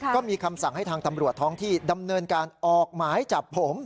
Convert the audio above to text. ก็มีคำสั่งให้ทางตำรวจท้องที่ดำเนินการออกหมายจับผม